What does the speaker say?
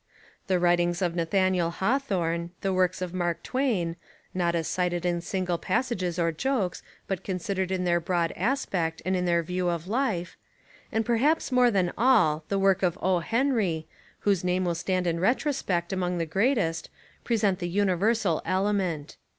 The writ ings of Nathaniel Hawthorne, the works of Mark Twain (not as cited In single passages or jokes, but considered In their broad aspect, and in their view of life), and, perhaps more than all, the work of O. Henry, whose name will stand in retrospect among the greatest, present* the universal element.